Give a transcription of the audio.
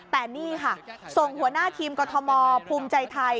แต่นี่ค่ะส่งหัวหน้าทีมกรทมภูมิใจไทย